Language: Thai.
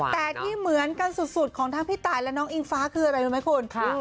แต่ที่เหมือนกันสุดของทั้งพี่ตายและน้องอิงฟ้าคืออะไรรู้ไหมคุณ